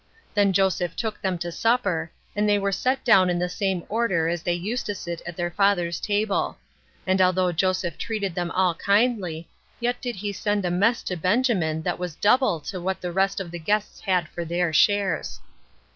Then Joseph took them to supper, and they were set down in the same order as they used to sit at their father's table. And although Joseph treated them all kindly, yet did he send a mess to Benjamin that was double to what the rest of the guests had for their shares.